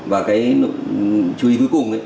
và cái chú ý cuối cùng